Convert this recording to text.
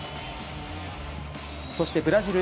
そして、ブラジル。